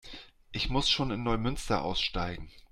Ich muss schon in Neumünster aussteigen